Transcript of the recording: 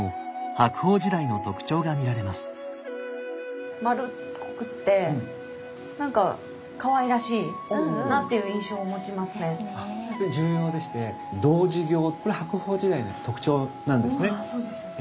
これも白鳳時代の特徴なんですね。